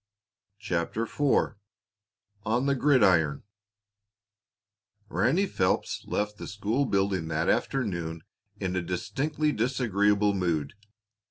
CHAPTER IV ON THE GRIDIRON Ranny Phelps left the school building that afternoon in a distinctly disagreeable mood.